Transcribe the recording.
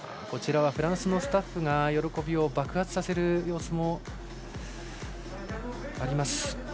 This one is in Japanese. フランスのスタッフが喜びを爆発させる様子もあります。